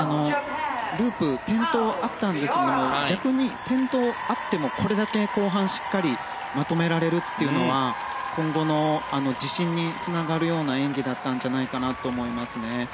ループ、転倒があったんですが逆に転倒があってもこれだけ後半しっかりまとめられるというのは今後の自信につながるような演技だったんじゃないかと思います。